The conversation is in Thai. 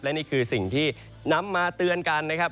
และนี่คือสิ่งที่นำมาเตือนกันนะครับ